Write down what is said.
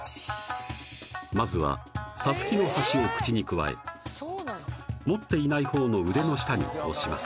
まずはたすきの端を口にくわえ持っていないほうの腕の下に通します